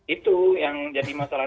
itu yang jadi masalah